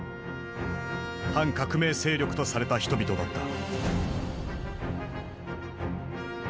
反革命勢力とされた人々だった。